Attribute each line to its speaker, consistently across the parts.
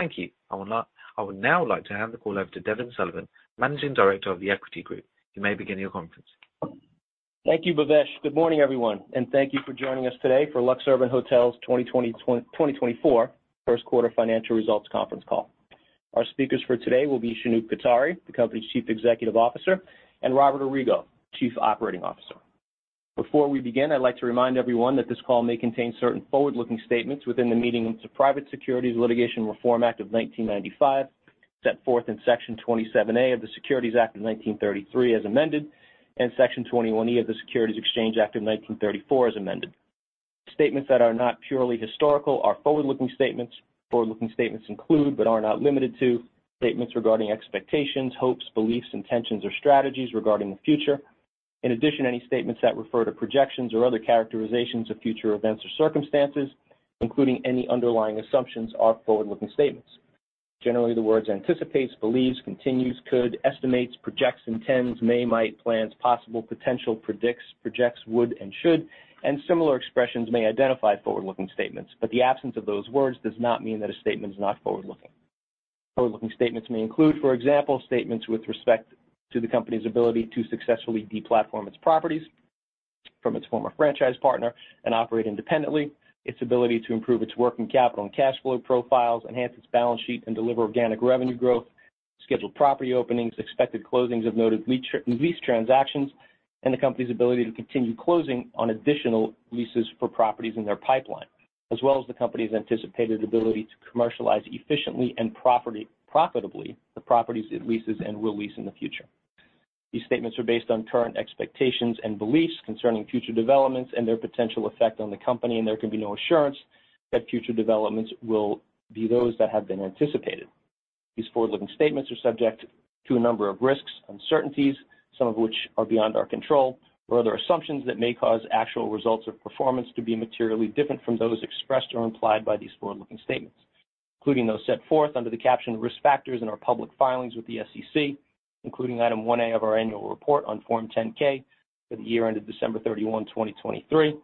Speaker 1: Thank you. I would now like to h`and the call over to Devin Sullivan, Managing Director of The Equity Group. You may begin your conference.
Speaker 2: Thank you, Bhavesh. Good morning, everyone, and thank you for joining us today for LuxUrban Hotels' 2024 First Quarter Financial Results Conference call. Our speakers for today will be Shanoop Kothari, the company's Chief Executive Officer, and Robert Arigo, Chief Operating Officer. Before we begin, I'd like to remind everyone that this call may contain certain forward-looking statements within the meaning of the Private Securities Litigation Reform Act of 1995 set forth in Section 27A of the Securities Act of 1933 as amended and Section 21E of the Securities Exchange Act of 1934 as amended. Statements that are not purely historical are forward-looking statements. Forward-looking statements include but are not limited to statements regarding expectations, hopes, beliefs, intentions, or strategies regarding the future. In addition, any statements that refer to projections or other characterizations of future events or circumstances, including any underlying assumptions, are forward-looking statements. Generally, the words anticipates, believes, continues, could, estimates, projects, intends, may, might, plans, possible, potential, predicts, projects, would, and should, and similar expressions may identify forward-looking statements. But the absence of those words does not mean that a statement is not forward-looking. Forward-looking statements may include, for example, statements with respect to the company's ability to successfully deplatform its properties from its former franchise partner and operate independently, its ability to improve its working capital and cash flow profiles, enhance its balance sheet, and deliver organic revenue growth, scheduled property openings, expected closings of noted lease transactions, and the company's ability to continue closing on additional leases for properties in their pipeline, as well as the company's anticipated ability to commercialize efficiently and profitably the properties it leases and will lease in the future. These statements are based on current expectations and beliefs concerning future developments and their potential effect on the company, and there can be no assurance that future developments will be those that have been anticipated. These forward-looking statements are subject to a number of risks, uncertainties, some of which are beyond our control, or other assumptions that may cause actual results of performance to be materially different from those expressed or implied by these forward-looking statements, including those set forth under the caption risk factors in our public filings with the SEC, including Item 1A of our annual report on Form 10-K for the year ended December 31, 2023,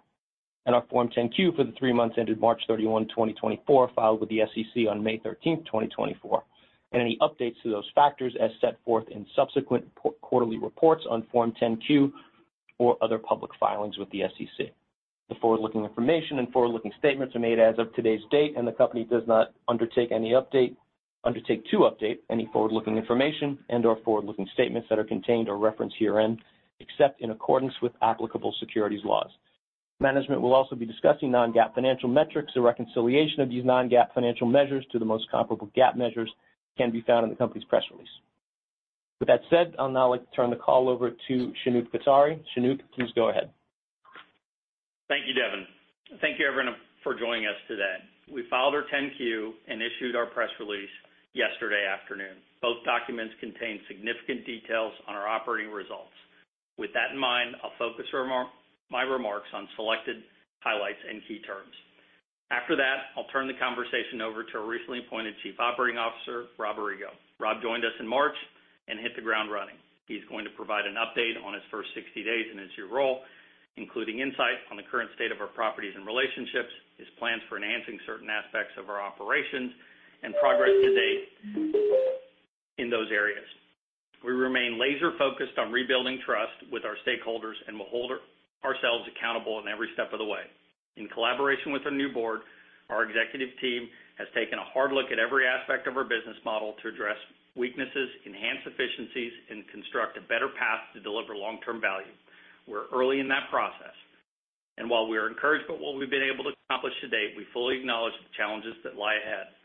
Speaker 2: and our Form 10-Q for the three months ended March 31, 2024, filed with the SEC on May 13, 2024, and any updates to those factors as set forth in subsequent quarterly reports on Form 10-Q or other public filings with the SEC. The forward-looking information and forward-looking statements are made as of today's date, and the company does not undertake any update, undertake to update, any forward-looking information, and/or forward-looking statements that are contained or referenced herein except in accordance with applicable securities laws. Management will also be discussing non-GAAP financial metrics. The reconciliation of these non-GAAP financial measures to the most comparable GAAP measures can be found in the company's press release. With that said, I'll now turn the call over to Shanoop Kothari. Shanoop, please go ahead.
Speaker 3: Thank you, Devin. Thank you, everyone, for joining us today. We filed our 10-Q and issued our press release yesterday afternoon. Both documents contain significant details on our operating results. With that in mind, I'll focus my remarks on selected highlights and key terms. After that, I'll turn the conversation over to our recently appointed Chief Operating Officer, Rob Arigo. Rob joined us in March and hit the ground running. He's going to provide an update on his first 60 days in his new role, including insight on the current state of our properties and relationships, his plans for enhancing certain aspects of our operations, and progress to date in those areas. We remain laser-focused on rebuilding trust with our stakeholders and will hold ourselves accountable in every step of the way. In collaboration with our new board, our executive team has taken a hard look at every aspect of our business model to address weaknesses, enhance efficiencies, and construct a better path to deliver long-term value. We're early in that process. And while we are encouraged by what we've been able to accomplish to date, we fully acknowledge the challenges that lie ahead.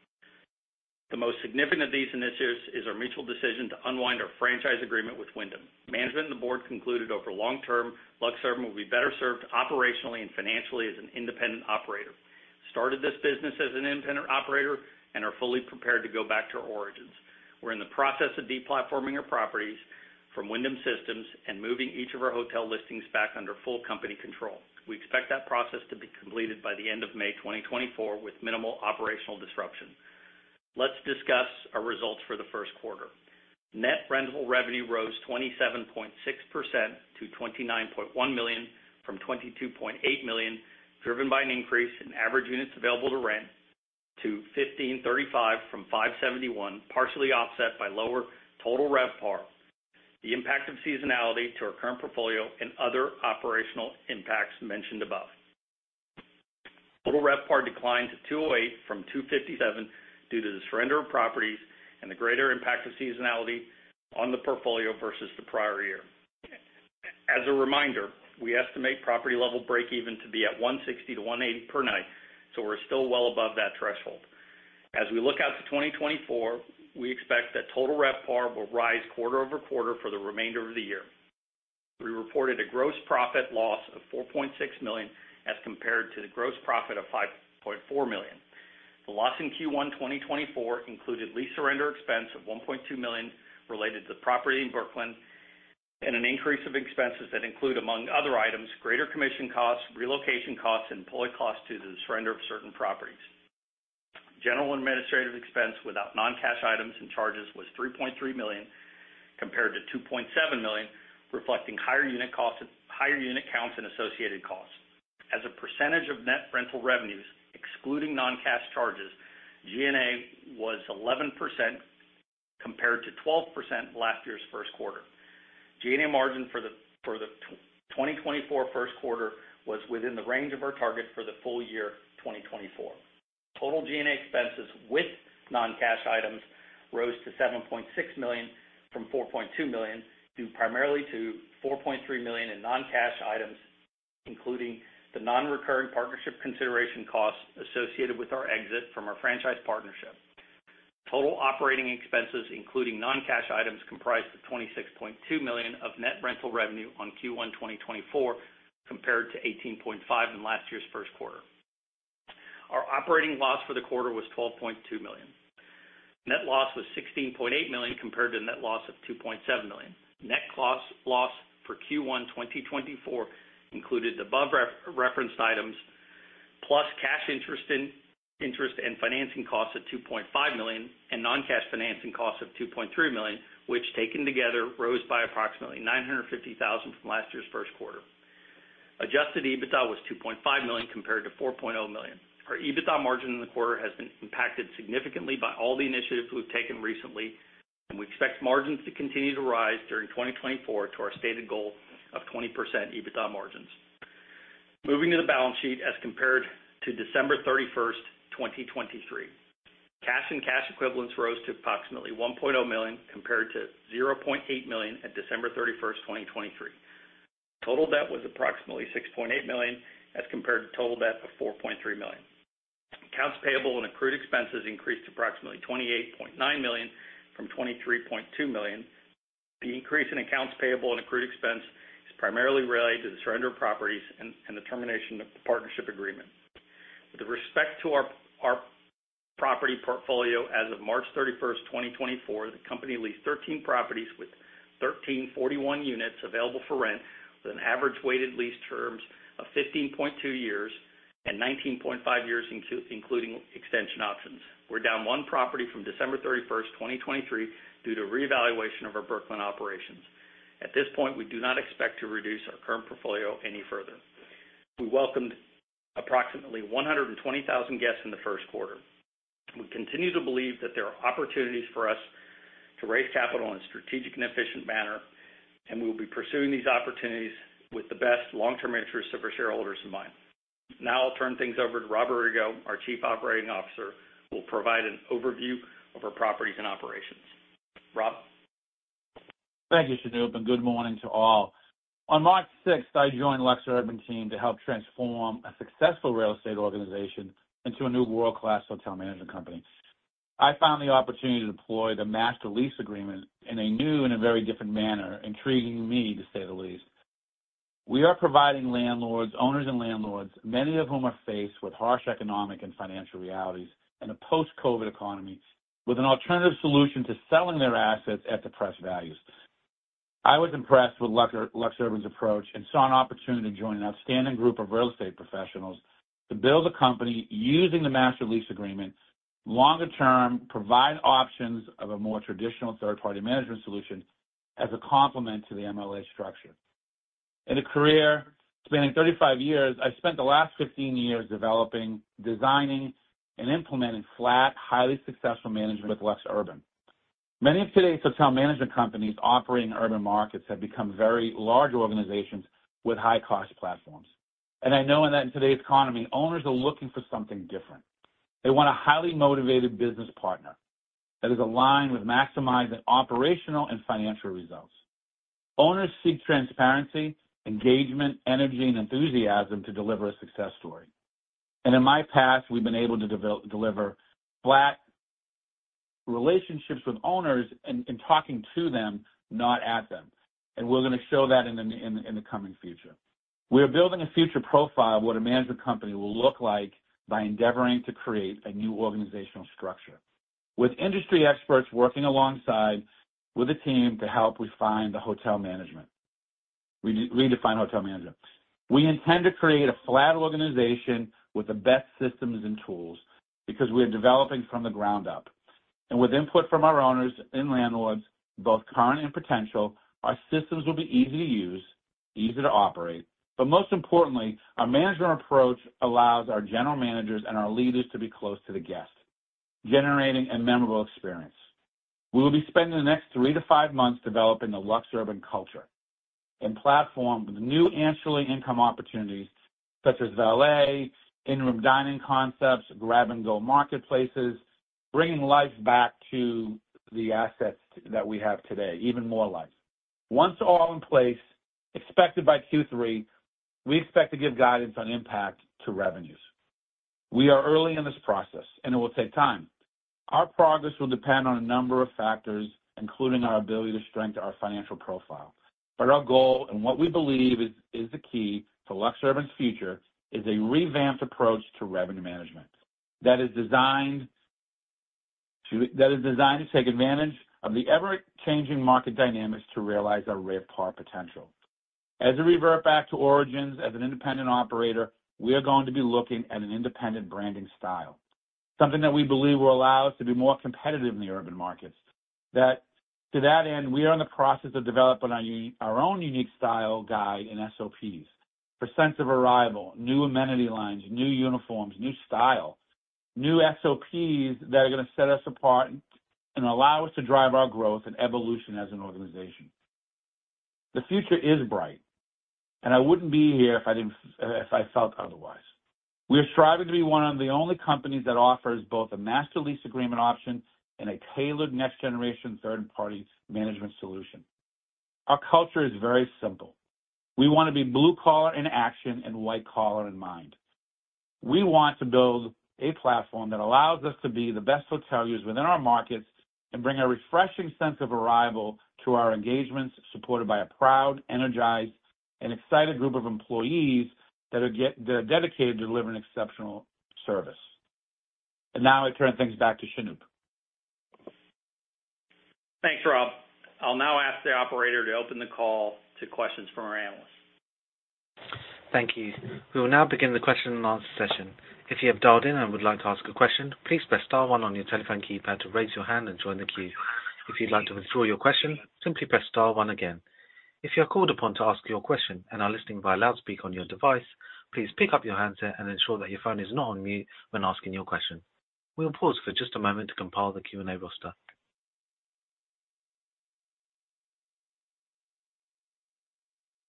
Speaker 3: The most significant of these initiatives is our mutual decision to unwind our franchise agreement with Wyndham. Management and the board concluded over long term LuxUrban will be better served operationally and financially as an independent operator, started this business as an independent operator, and are fully prepared to go back to our origins. We're in the process of deplatforming our properties from Wyndham systems and moving each of our hotel listings back under full company control. We expect that process to be completed by the end of May 2024 with minimal operational disruption. Let's discuss our results for the first quarter. Net rental revenue rose 27.6% to $29.1 million from $22.8 million, driven by an increase in average units available to rent to 1,535 from 571, partially offset by lower total RevPAR, the impact of seasonality to our current portfolio, and other operational impacts mentioned above. Total RevPAR declined to $208 from $257 due to the surrender of properties and the greater impact of seasonality on the portfolio versus the prior year. As a reminder, we estimate property level break-even to be at $160-$180 per night, so we're still well above that threshold. As we look out to 2024, we expect that total RevPAR will rise quarter-over-quarter for the remainder of the year. We reported a gross profit loss of $4.6 million as compared to the gross profit of $5.4 million. The loss in Q1 2024 included lease surrender expense of $1.2 million related to the property in Brooklyn and an increase of expenses that include, among other items, greater commission costs, relocation costs, and employee costs due to the surrender of certain properties. General administrative expense without non-cash items and charges was $3.3 million compared to $2.7 million, reflecting higher unit counts and associated costs. As a percentage of net rental revenues excluding non-cash charges, G&A was 11% compared to 12% last year's first quarter. G&A margin for the 2024 first quarter was within the range of our target for the full year 2024. Total G&A expenses with non-cash items rose to $7.6 million from $4.2 million due primarily to $4.3 million in non-cash items, including the non-recurring partnership consideration costs associated with our exit from our franchise partnership. Total operating expenses, including non-cash items, comprised the $26.2 million of net rental revenue on Q1 2024 compared to $18.5 million in last year's first quarter. Our operating loss for the quarter was $12.2 million. Net loss was $16.8 million compared to net loss of $2.7 million. Net loss for Q1 2024 included the above-referenced items plus cash interest and financing costs of $2.5 million and non-cash financing costs of $2.3 million, which taken together rose by approximately $950,000 from last year's first quarter. Adjusted EBITDA was $2.5 million compared to $4.0 million. Our EBITDA margin in the quarter has been impacted significantly by all the initiatives we've taken recently, and we expect margins to continue to rise during 2024 to our stated goal of 20% EBITDA margins. Moving to the balance sheet as compared to December 31st, 2023, cash and cash equivalents rose to approximately $1.0 million compared to $0.8 million at December 31st, 2023. Total debt was approximately $6.8 million as compared to total debt of $4.3 million. Accounts payable and accrued expenses increased to approximately $28.9 million from $23.2 million. The increase in accounts payable and accrued expenses is primarily related to the surrender of properties and the termination of the partnership agreement. With respect to our property portfolio as of March 31st, 2024, the company leased 13 properties with 1,341 units available for rent with an average weighted lease terms of 15.2 years and 19.5 years, including extension options. We're down one property from December 31st, 2023, due to reevaluation of our Brooklyn operations. At this point, we do not expect to reduce our current portfolio any further. We welcomed approximately 120,000 guests in the first quarter. We continue to believe that there are opportunities for us to raise capital in a strategic and efficient manner, and we will be pursuing these opportunities with the best long-term interests of our shareholders in mind. Now I'll turn things over to Robert Arigo, our Chief Operating Officer, who will provide an overview of our properties and operations. Rob?
Speaker 4: Thank you, Shanoop, and good morning to all. On March 6th, I joined LuxUrban's team to help transform a successful real estate organization into a new world-class hotel management company. I found the opportunity to deploy the master lease agreement in a new and a very different manner, intriguing me to say the least. We are providing landlords, owners and landlords, many of whom are faced with harsh economic and financial realities and a post-COVID economy, with an alternative solution to selling their assets at depressed values. I was impressed with LuxUrban's approach and saw an opportunity to join an outstanding group of real estate professionals to build a company using the master lease agreement longer term, provide options of a more traditional third-party management solution as a complement to the MLA structure. In a career spanning 35 years, I spent the last 15 years developing, designing, and implementing flat, highly successful management with LuxUrban. Many of today's hotel management companies operating in urban markets have become very large organizations with high-cost platforms. I know in today's economy, owners are looking for something different. They want a highly motivated business partner that is aligned with maximizing operational and financial results. Owners seek transparency, engagement, energy, and enthusiasm to deliver a success story. In my past, we've been able to deliver flat relationships with owners in talking to them, not at them. We're going to show that in the coming future. We are building a future profile of what a management company will look like by endeavoring to create a new organizational structure with industry experts working alongside with a team to help refine the hotel management, redefine hotel management. We intend to create a flat organization with the best systems and tools because we are developing from the ground up. With input from our owners and landlords, both current and potential, our systems will be easy to use, easy to operate. Most importantly, our management approach allows our general managers and our leaders to be close to the guest, generating a memorable experience. We will be spending the next three to five months developing the LuxUrban culture and platform with new annual income opportunities such as valet, in-room dining concepts, grab-and-go marketplaces, bringing life back to the assets that we have today, even more life. Once all in place, expected by Q3, we expect to give guidance on impact to revenues. We are early in this process, and it will take time. Our progress will depend on a number of factors, including our ability to strengthen our financial profile. But our goal and what we believe is the key to LuxUrban's future is a revamped approach to revenue management that is designed to take advantage of the ever-changing market dynamics to realize our RevPAR potential. As a revert back to origins, as an independent operator, we are going to be looking at an independent branding style, something that we believe will allow us to be more competitive in the urban markets. To that end, we are in the process of developing our own unique style guide and SOPs for sense of arrival, new amenity lines, new uniforms, new style, new SOPs that are going to set us apart and allow us to drive our growth and evolution as an organization. The future is bright, and I wouldn't be here if I felt otherwise. We are striving to be one of the only companies that offers both a master lease agreement option and a tailored next-generation third-party management solution. Our culture is very simple. We want to be blue-collar in action and white-collar in mind. We want to build a platform that allows us to be the best hoteliers within our markets and bring a refreshing sense of arrival to our engagements, supported by a proud, energized, and excited group of employees that are dedicated to delivering exceptional service. Now I turn things back to Shanoop.
Speaker 3: Thanks, Rob. I'll now ask the operator to open the call to questions from our analysts.
Speaker 1: Thank you. We will now begin the question and answer session. If you have dialed in and would like to ask a question, please press star one on your telephone keypad to raise your hand and join the queue. If you'd like to withdraw your question, simply press star one again. If you are called upon to ask your question and are listening via loudspeaker on your device, please pick up your handset and ensure that your phone is not on mute when asking your question. We will pause for just a moment to compile the Q&A roster.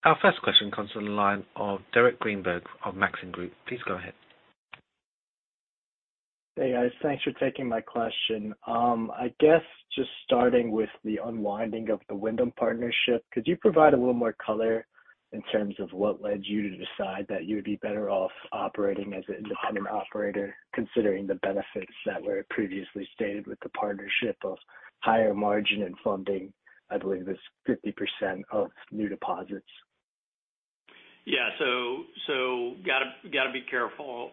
Speaker 1: Our first question comes from the line of Derek Greenberg of Maxim Group. Please go ahead.
Speaker 5: Hey, guys. Thanks for taking my question. I guess just starting with the unwinding of the Wyndham partnership, could you provide a little more color in terms of what led you to decide that you would be better off operating as an independent operator considering the benefits that were previously stated with the partnership of higher margin and funding? I believe it was 50% of new deposits.
Speaker 3: Yeah. So got to be careful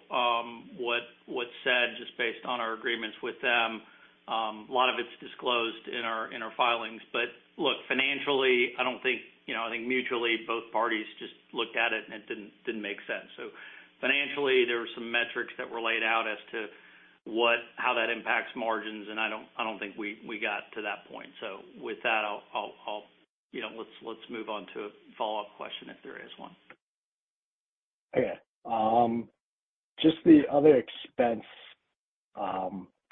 Speaker 3: what's said just based on our agreements with them. A lot of it's disclosed in our filings. But look, financially, I don't think mutually, both parties just looked at it, and it didn't make sense. So financially, there were some metrics that were laid out as to how that impacts margins, and I don't think we got to that point. So with that, let's move on to a follow-up question if there is one.
Speaker 5: Okay. Just the other expense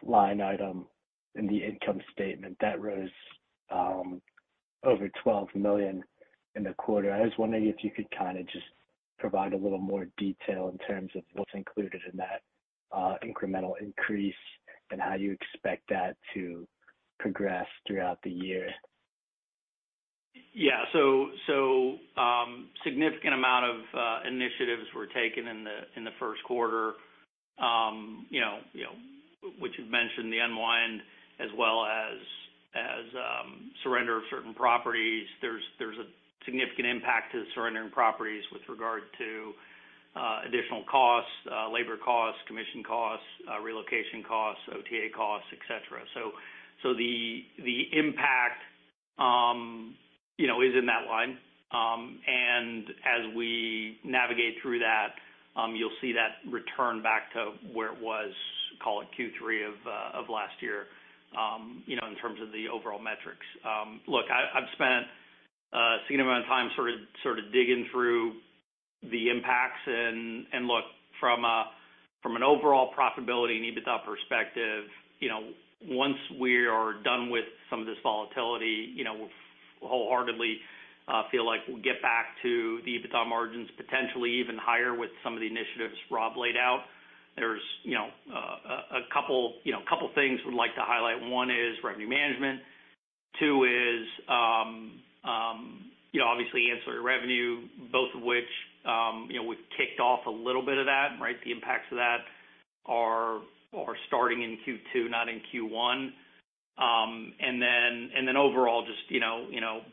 Speaker 5: line item in the income statement, that rose over $12 million in the quarter. I was wondering if you could kind of just provide a little more detail in terms of what's included in that incremental increase and how you expect that to progress throughout the year.
Speaker 3: Yeah. So, a significant amount of initiatives were taken in the first quarter, which you've mentioned, the unwind as well as surrender of certain properties. There's a significant impact to the surrendering properties with regard to additional costs, labor costs, commission costs, relocation costs, OTA costs, etc. So, the impact is in that line. And as we navigate through that, you'll see that return back to where it was, call it Q3 of last year, in terms of the overall metrics. Look, I've spent a significant amount of time sort of digging through the impacts. And look, from an overall profitability and EBITDA perspective, once we are done with some of this volatility, we wholeheartedly feel like we'll get back to the EBITDA margins, potentially even higher with some of the initiatives Rob laid out. There's a couple of things we'd like to highlight. One is revenue management. Two is, obviously, ancillary revenue, both of which we've kicked off a little bit of that, right? The impacts of that are starting in Q2, not in Q1. And then overall, just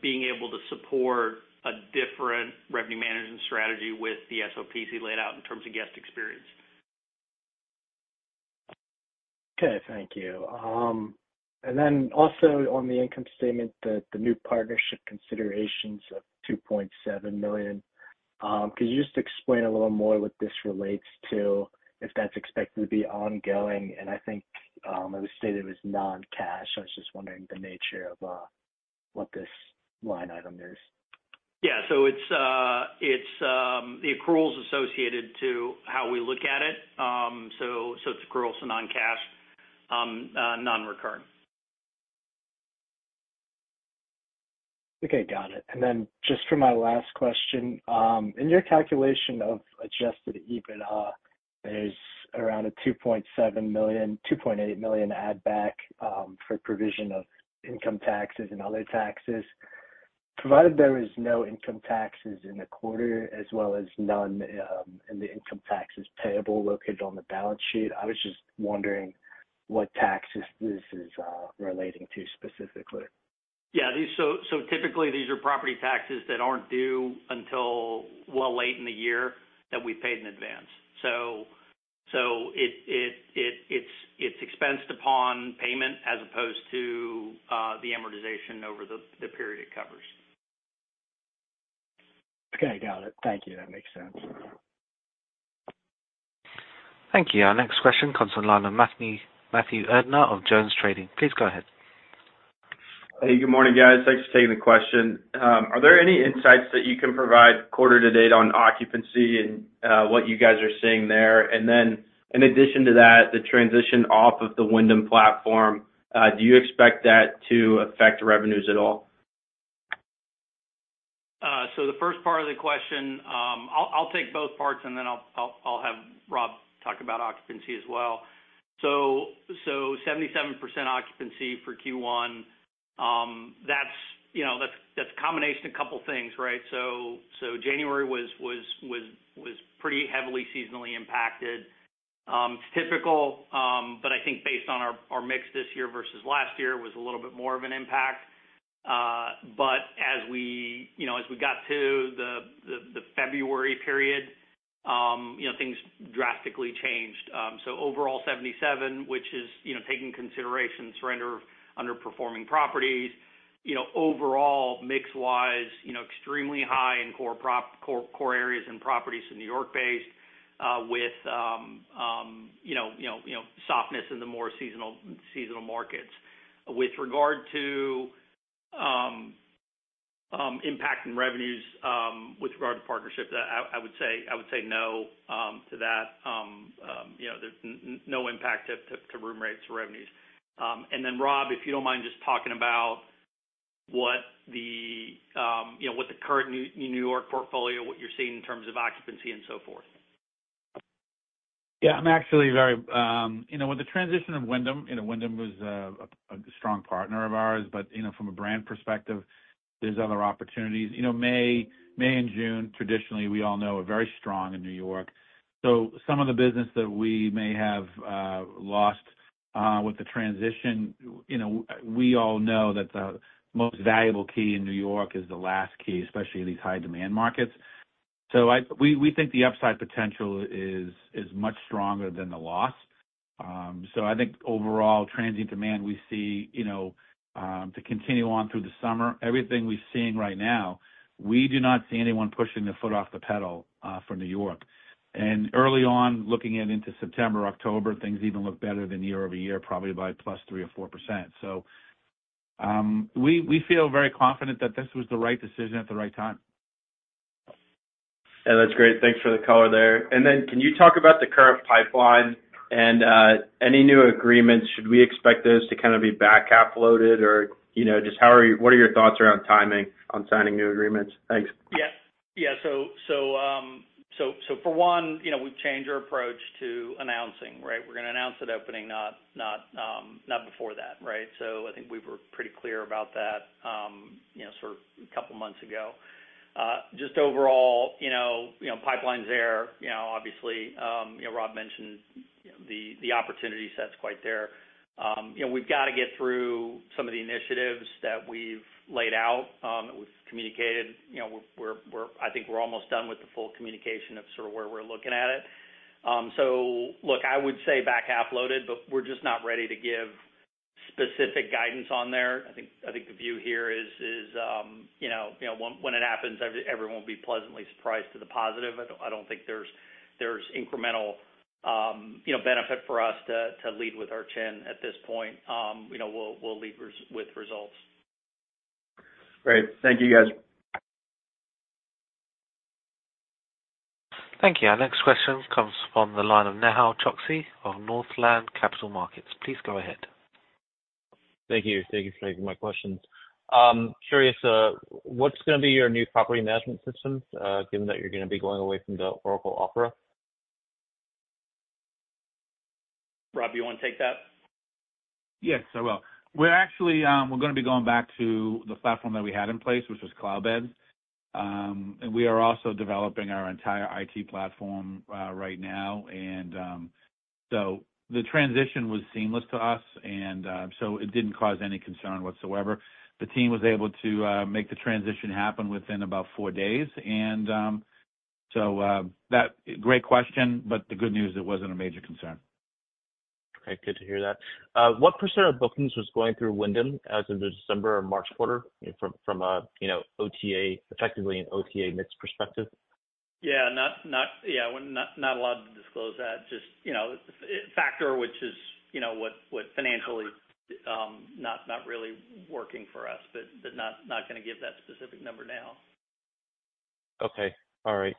Speaker 3: being able to support a different revenue management strategy with the SOPs he laid out in terms of guest experience.
Speaker 5: Okay. Thank you. And then also on the income statement, the new partnership considerations of $2.7 million, could you just explain a little more what this relates to, if that's expected to be ongoing? And I think it was stated it was non-cash. I was just wondering the nature of what this line item is.
Speaker 3: Yeah. So it's the accruals associated to how we look at it. So it's accruals and non-cash, non-recurring.
Speaker 5: Okay. Got it. And then just for my last question, in your calculation of Adjusted EBITDA, there's around a $2.8 million add-back for provision of income taxes and other taxes. Provided there is no income taxes in the quarter as well as none in the income taxes payable located on the balance sheet, I was just wondering what taxes this is relating to specifically.
Speaker 3: Yeah. So typically, these are property taxes that aren't due until well late in the year that we paid in advance. So it's expensed upon payment as opposed to the amortization over the period it covers.
Speaker 5: Okay. Got it. Thank you. That makes sense.
Speaker 1: Thank you. Our next question comes from Matthew Erdner of JonesTrading. Please go ahead.
Speaker 6: Hey, good morning, guys. Thanks for taking the question. Are there any insights that you can provide quarter-to-date on occupancy and what you guys are seeing there? And then in addition to that, the transition off of the Wyndham platform, do you expect that to affect revenues at all?
Speaker 3: So the first part of the question, I'll take both parts, and then I'll have Rob talk about occupancy as well. So 77% occupancy for Q1, that's a combination of a couple of things, right? So January was pretty heavily seasonally impacted. It's typical, but I think based on our mix this year versus last year, it was a little bit more of an impact. But as we got to the February period, things drastically changed. So overall, 77, which is taking into consideration surrender of underperforming properties, overall, mix-wise, extremely high in core areas and properties in New York-based with softness in the more seasonal markets. With regard to impact on revenues with regard to partnership, I would say no to that. No impact to room rates or revenues. And then, Rob, if you don't mind just talking about what the current New York portfolio, what you're seeing in terms of occupancy and so forth.
Speaker 4: Yeah. I'm actually very with the transition of Wyndham. Wyndham was a strong partner of ours. But from a brand perspective, there's other opportunities. May and June, traditionally, we all know are very strong in New York. So some of the business that we may have lost with the transition, we all know that the most valuable key in New York is the last key, especially in these high-demand markets. So we think the upside potential is much stronger than the loss. So I think overall, transit demand we see to continue on through the summer. Everything we're seeing right now, we do not see anyone pushing the foot off the pedal from New York. And early on, looking into September, October, things even look better than year-over-year, probably by +3%-4%. We feel very confident that this was the right decision at the right time.
Speaker 6: Yeah. That's great. Thanks for the color there. And then can you talk about the current pipeline and any new agreements? Should we expect those to kind of be back-half loaded, or just what are your thoughts around timing on signing new agreements? Thanks.
Speaker 3: Yeah. Yeah. So for one, we've changed our approach to announcing, right? We're going to announce an opening, not before that, right? So I think we were pretty clear about that sort of a couple of months ago. Just overall, pipeline's there. Obviously, Rob mentioned the opportunity sets quite there. We've got to get through some of the initiatives that we've laid out that we've communicated. I think we're almost done with the full communication of sort of where we're looking at it. So look, I would say back-half loaded, but we're just not ready to give specific guidance on there. I think the view here is when it happens, everyone will be pleasantly surprised to the positive. I don't think there's incremental benefit for us to lead with our chin at this point. We'll lead with results. Great. Thank you, guys.
Speaker 1: Thank you. Our next question comes from the line of Nehal Chokshi of Northland Capital Markets. Please go ahead.
Speaker 7: Thank you. Thank you for taking my question. Curious, what's going to be your new property management system given that you're going to be going away from the Oracle OPERA?
Speaker 3: Rob, you want to take that?
Speaker 4: Yes. I will. We're going to be going back to the platform that we had in place, which was Cloudbeds. We are also developing our entire IT platform right now. So the transition was seamless to us, and so it didn't cause any concern whatsoever. The team was able to make the transition happen within about four days. Great question, but the good news is it wasn't a major concern.
Speaker 7: Okay. Good to hear that. What percent of bookings was going through Wyndham as of the December or March quarter from an effectively an OTA mix perspective?
Speaker 3: Yeah. Yeah. Not allowed to disclose that. Just factor, which is what financially not really working for us, but not going to give that specific number now.
Speaker 7: Okay. All right.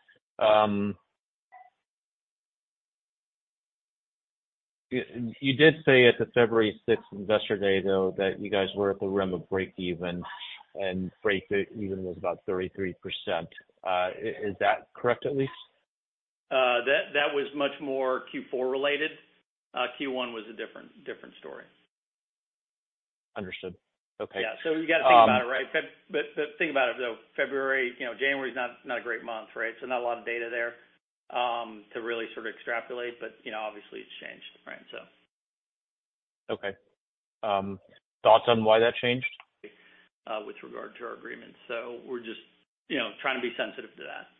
Speaker 7: You did say at the February 6th investor day, though, that you guys were at the rim of break-even, and break-even was about 33%. Is that correct at least?
Speaker 3: That was much more Q4-related. Q1 was a different story.
Speaker 7: Understood. Okay.
Speaker 3: Yeah. You got to think about it, right? Think about it, though. January, it's not a great month, right? Not a lot of data there to really sort of extrapolate. Obviously, it's changed, right?
Speaker 7: Okay. Thoughts on why that changed?
Speaker 3: With regard to our agreements. We're just trying to be sensitive to that.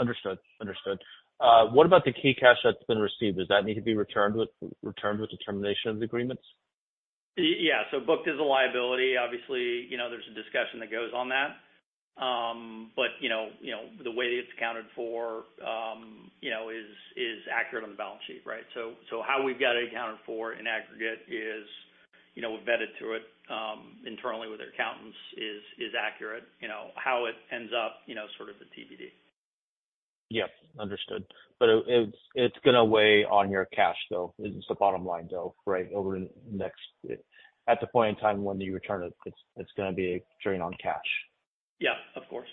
Speaker 7: Understood. Understood. What about the key cash that's been received? Does that need to be returned with the termination of the agreements?
Speaker 3: Yeah. So booked as a liability, obviously, there's a discussion that goes on that. But the way that it's accounted for is accurate on the balance sheet, right? So how we've got it accounted for in aggregate is we've vetted through it internally with our accountants is accurate. How it ends up sort of the TBD.
Speaker 7: Yep. Understood. But it's going to weigh on your cash, though. It's the bottom line, though, right? At the point in time when you return it, it's going to be a drain on cash.
Speaker 3: Yeah. Of course.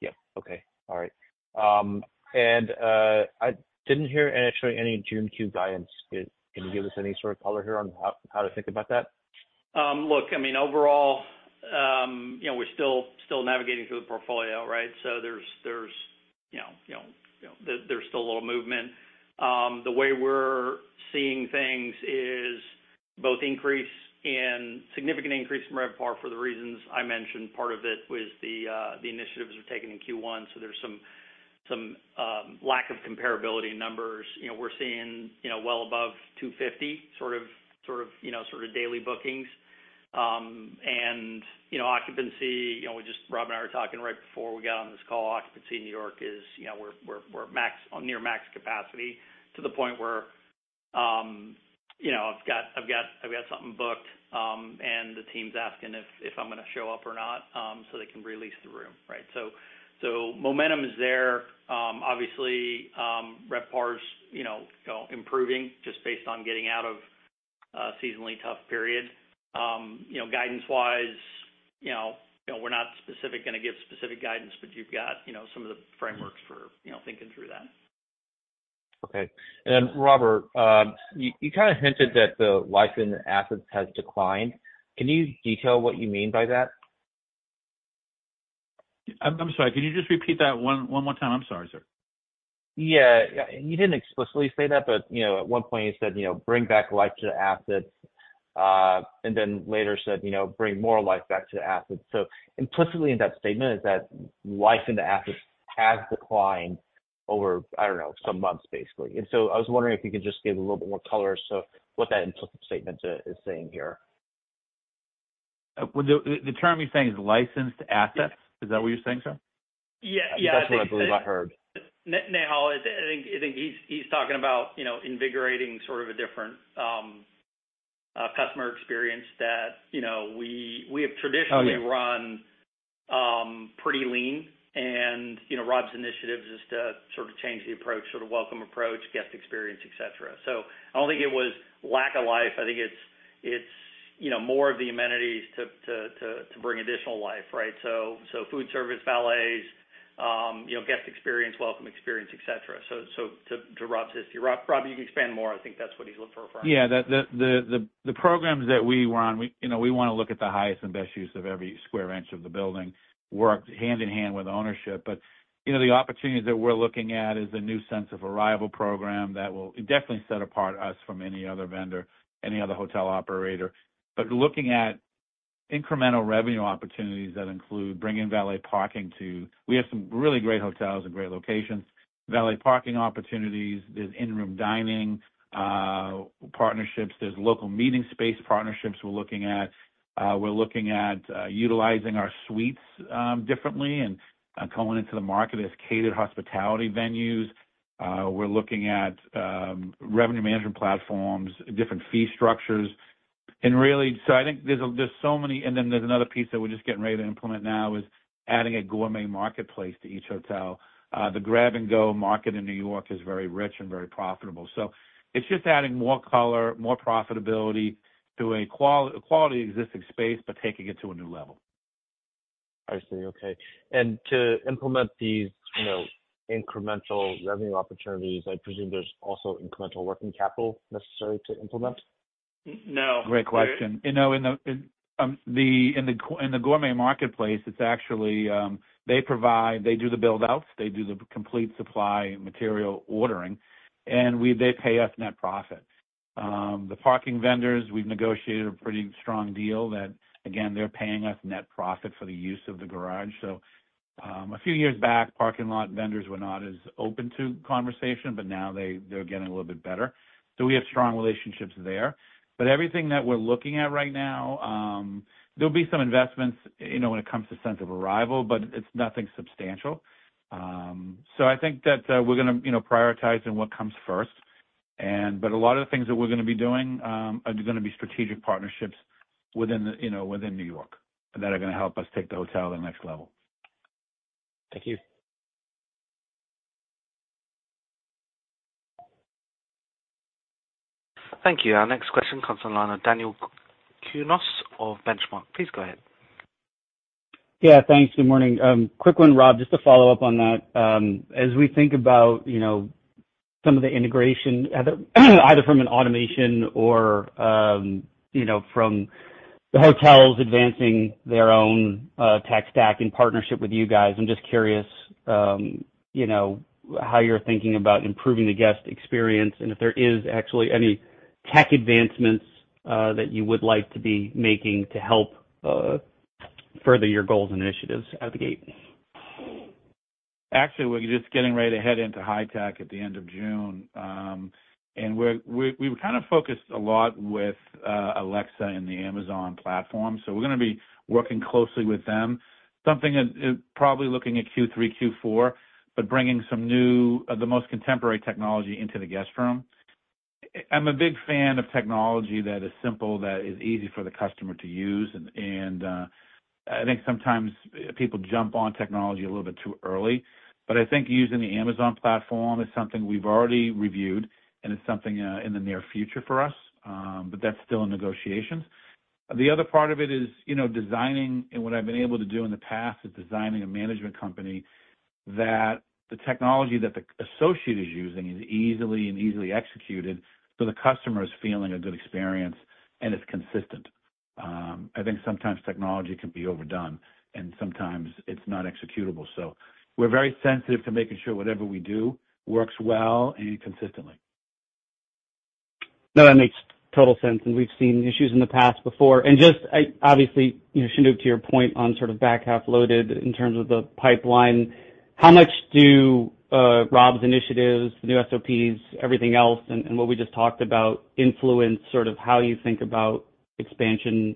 Speaker 7: Yeah. Okay. All right. I didn't hear actually any June Q guidance. Can you give us any sort of color here on how to think about that?
Speaker 3: Look, I mean, overall, we're still navigating through the portfolio, right? So there's still a little movement. The way we're seeing things is both significant increase in RevPAR for the reasons I mentioned. Part of it was the initiatives were taken in Q1. So there's some lack of comparability in numbers. We're seeing well above 250 sort of daily bookings. And occupancy, just Rob and I were talking right before we got on this call, occupancy in New York is we're near max capacity to the point where I've got something booked, and the team's asking if I'm going to show up or not so they can release the room, right? So momentum is there. Obviously, RevPAR's improving just based on getting out of a seasonally tough period. Guidance-wise, we're not going to give specific guidance, but you've got some of the frameworks for thinking through that.
Speaker 7: Okay. Then, Robert, you kind of hinted that the life of assets has declined. Can you detail what you mean by that?
Speaker 4: I'm sorry. Can you just repeat that one more time? I'm sorry, sir.
Speaker 7: Yeah. You didn't explicitly say that, but at one point, you said, "Bring back life to the assets," and then later said, "Bring more life back to the assets." So implicitly in that statement is that life in the assets has declined over, I don't know, some months, basically. And so I was wondering if you could just give a little bit more color as to what that implicit statement is saying here.
Speaker 4: The term you're saying is licensed assets? Is that what you're saying, sir?
Speaker 3: Yeah. Yeah. I think that's.
Speaker 4: That's what I believe I heard.
Speaker 3: Nehal, I think he's talking about invigorating sort of a different customer experience that we have traditionally run pretty lean. Rob's initiative is just to sort of change the approach, sort of welcome approach, guest experience, etc. I don't think it was lack of life. I think it's more of the amenities to bring additional life, right? So food service valets, guest experience, welcome experience, etc. To Rob's history, Rob, you can expand more. I think that's what he's looking for from.
Speaker 4: Yeah. The programs that we were on, we want to look at the highest and best use of every square inch of the building. Work hand-in-hand with ownership. But the opportunities that we're looking at is a new sense of arrival program that will definitely set apart us from any other vendor, any other hotel operator. But looking at incremental revenue opportunities that include bringing valet parking to we have some really great hotels and great locations. Valet parking opportunities. There's in-room dining partnerships. There's local meeting space partnerships we're looking at. We're looking at utilizing our suites differently and going into the market as catered hospitality venues. We're looking at revenue management platforms, different fee structures. And really, so I think there's so many and then there's another piece that we're just getting ready to implement now is adding a gourmet marketplace to each hotel. The grab-and-go market in New York is very rich and very profitable. So it's just adding more color, more profitability to a quality existing space, but taking it to a new level.
Speaker 7: I see. Okay. And to implement these incremental revenue opportunities, I presume there's also incremental working capital necessary to implement?
Speaker 3: No.
Speaker 4: Great question. In the gourmet marketplace, it's actually they do the build-outs. They do the complete supply material ordering, and they pay us net profit. The parking vendors, we've negotiated a pretty strong deal that, again, they're paying us net profit for the use of the garage. So a few years back, parking lot vendors were not as open to conversation, but now they're getting a little bit better. So we have strong relationships there. But everything that we're looking at right now, there'll be some investments when it comes to sense of arrival, but it's nothing substantial. So I think that we're going to prioritize in what comes first. But a lot of the things that we're going to be doing are going to be strategic partnerships within New York that are going to help us take the hotel to the next level.
Speaker 7: Thank you.
Speaker 1: Thank you. Our next question from the line Daniel Kurnos of Benchmark. Please go ahead.
Speaker 8: Yeah. Thanks. Good morning. Quick one, Rob, just to follow up on that. As we think about some of the integration, either from an automation or from the hotels advancing their own tech stack in partnership with you guys, I'm just curious how you're thinking about improving the guest experience and if there is actually any tech advancements that you would like to be making to help further your goals and initiatives out of the gate?
Speaker 4: Actually, we're just getting ready to head into HITEC at the end of June. We were kind of focused a lot with Alexa and the Amazon platform. We're going to be working closely with them, probably looking at Q3, Q4, but bringing some new, the most contemporary technology into the guest room. I'm a big fan of technology that is simple, that is easy for the customer to use. I think sometimes people jump on technology a little bit too early. I think using the Amazon platform is something we've already reviewed, and it's something in the near future for us, but that's still in negotiations. The other part of it is designing, and what I've been able to do in the past is designing a management company that the technology that the associate is using is easily and easily executed so the customer is feeling a good experience, and it's consistent. I think sometimes technology can be overdone, and sometimes it's not executable. So we're very sensitive to making sure whatever we do works well and consistently.
Speaker 8: No, that makes total sense. We've seen issues in the past before. Just obviously, Shanoop, to your point on sort of back-loaded in terms of the pipeline, how much do Rob's initiatives, the new SOPs, everything else, and what we just talked about influence sort of how you think about expansion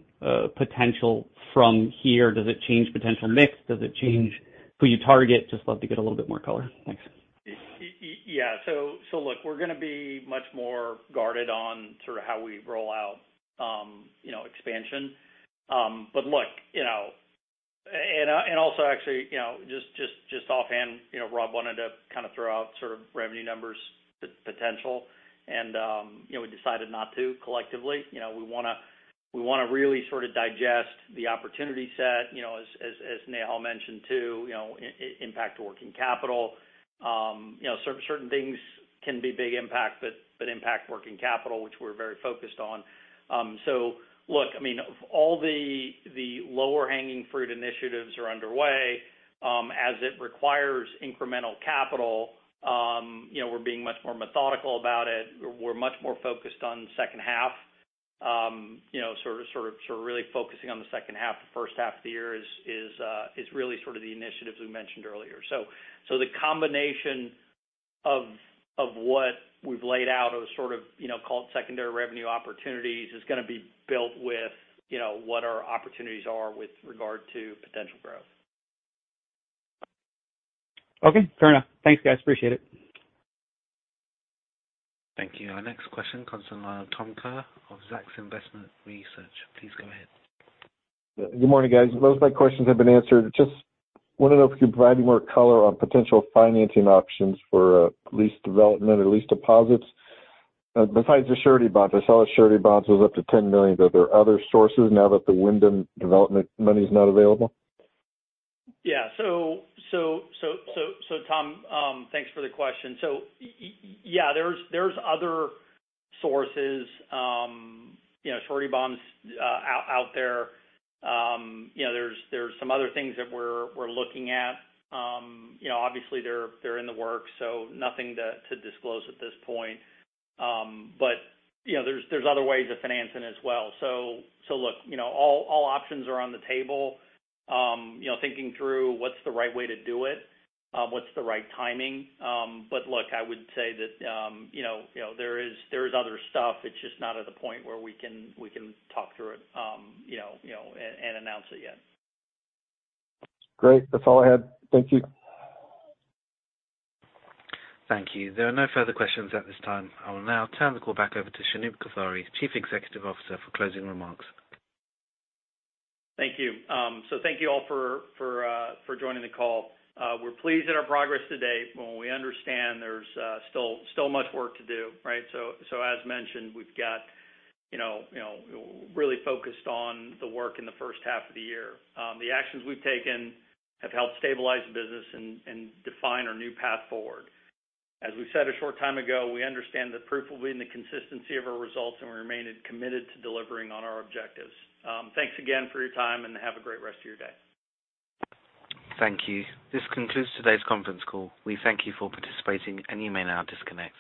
Speaker 8: potential from here? Does it change potential mix? Does it change who you target? Just love to get a little bit more color. Thanks.
Speaker 3: Yeah. So look, we're going to be much more guarded on sort of how we roll out expansion. But look, and also actually just offhand, Rob wanted to kind of throw out sort of revenue numbers potential, and we decided not to collectively. We want to really sort of digest the opportunity set, as Nehal mentioned too, impact working capital. Certain things can be big impact, but impact working capital, which we're very focused on. So look, I mean, all the lower-hanging fruit initiatives are underway. As it requires incremental capital, we're being much more methodical about it. We're much more focused on second half, sort of really focusing on the second half. The first half of the year is really sort of the initiatives we mentioned earlier. The combination of what we've laid out as sort of called secondary revenue opportunities is going to be built with what our opportunities are with regard to potential growth.
Speaker 7: Okay. Fair enough. Thanks, guys. Appreciate it.
Speaker 1: Thank you. Our next question from the line Tom Kerr of Zacks Investment Research. Please go ahead.
Speaker 9: Good morning, guys. Most of my questions have been answered. Just want to know if you can provide me more color on potential financing options for lease development or lease deposits. Besides the surety bonds, I saw that surety bonds was up to $10 million. Are there other sources now that the Wyndham development money is not available?
Speaker 3: Yeah. So Tom, thanks for the question. So yeah, there's other sources, surety bonds out there. There's some other things that we're looking at. Obviously, they're in the works, so nothing to disclose at this point. But there's other ways of financing as well. So look, all options are on the table, thinking through what's the right way to do it, what's the right timing. But look, I would say that there is other stuff. It's just not at the point where we can talk through it and announce it yet.
Speaker 9: Great. That's all I had. Thank you.
Speaker 1: Thank you. There are no further questions at this time. I will now turn the call back over to Shanoop Kothari, Chief Executive Officer, for closing remarks.
Speaker 3: Thank you. So thank you all for joining the call. We're pleased at our progress today, but we understand there's still much work to do, right? So as mentioned, we've got really focused on the work in the first half of the year. The actions we've taken have helped stabilize the business and define our new path forward. As we said a short time ago, we understand the proof will be in the consistency of our results, and we remain committed to delivering on our objectives. Thanks again for your time, and have a great rest of your day.
Speaker 1: Thank you. This concludes today's conference call. We thank you for participating, and you may now disconnect.